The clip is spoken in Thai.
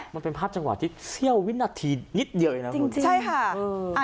มันเป็นภาพจังหวะที่เสี้ยววินาทีนิดเดียวเองนะจริงใช่ค่ะ